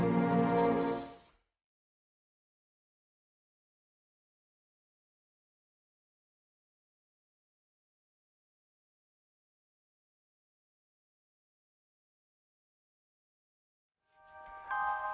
tapi kita masih sedikit baru